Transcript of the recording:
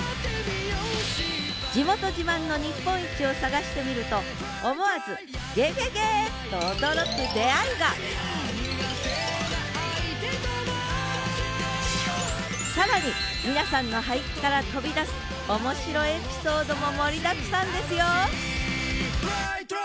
地元自慢の日本一を探してみると思わず「ゲゲゲ！」っと驚く出会いが更に皆さんの俳句から飛び出す面白エピソードも盛りだくさんですよ！